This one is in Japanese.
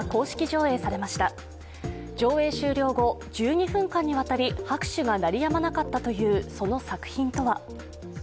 上映終了後、１２分間にわたり拍手が鳴りやまなかったというその作品とは。